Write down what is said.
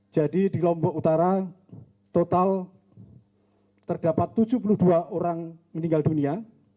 jadi di lombok utara total terdapat tujuh puluh dua orang meninggal dunia